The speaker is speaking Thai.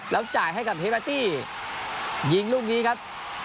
แล้วจ่ายให้กับเฮเบอร์ตี้ยิงลูกนี้ครับ